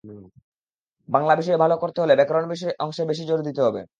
বাংলা বিষয়ে ভালো করতে হলে ব্যাকরণ অংশে বেশি জোর দিতে হবে।